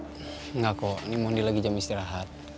enggak kok ini mondi lagi jam istirahat